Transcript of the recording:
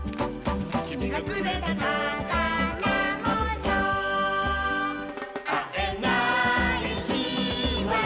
「きみがくれたたからもの」「あえないひはゆめのなか」